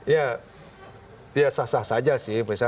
ya sah sah saja sih